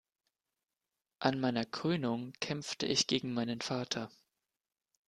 An meiner Krönung kämpfte ich gegen meinen Vater.